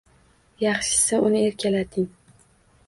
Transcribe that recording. Yaxshisi uni erkalating.